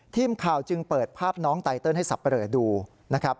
ทีมข่าวจึงเปิดภาพน้องไตเติลให้สับปะเรอดูนะครับ